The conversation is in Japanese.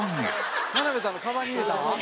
「田辺さんのカバンに入れた？」